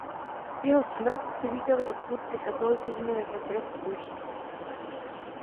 Jeho smrt přivítali odpůrci katolicismu jako trest Boží.